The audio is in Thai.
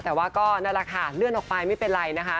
แต่ว่าก็นั่นแหละค่ะเลื่อนออกไปไม่เป็นไรนะคะ